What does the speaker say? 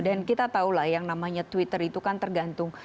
dan kita tahu lah yang namanya twitter itu kan tergantung